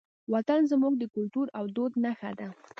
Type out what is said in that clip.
وطن زموږ د کلتور او دود نښه ده.